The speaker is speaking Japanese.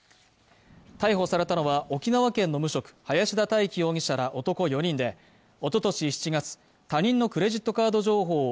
逮捕されたのは沖縄県の無職林田大輝容疑者ら男４人でおととし７月他人のクレジットカード情報